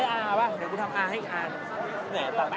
สวัสดีครับ